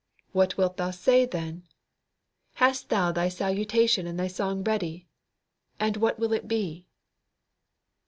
What wilt thou say then? Hast thou thy salutation and thy song ready? And what will it be?